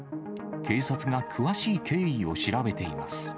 警察が詳しい経緯を調べています。